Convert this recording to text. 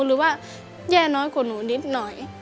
หรือว่าแย่น้อยกว่าหนูนิดหน่อย